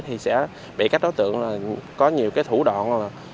thì sẽ bị các đối tượng có nhiều cái thủ đoạn